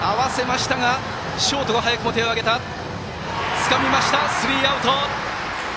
つかみました、スリーアウト。